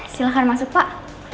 silahkan masuk pak